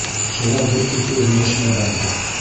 Шулай бер килке өндәшмәй барҙыҡ.